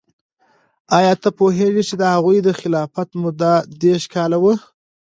آیا ته پوهیږې چې د هغوی د خلافت موده دیرش کاله وه؟